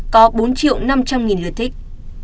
có bốn năm trăm linh lượt thích